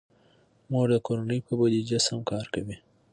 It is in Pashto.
مور د کورنۍ په بودیجه سم کار کوي.